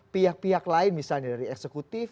pihak pihak lain misalnya dari eksekutif